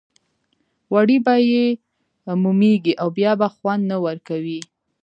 غوړي به یې مومېږي او بیا به خوند نه ورکوي.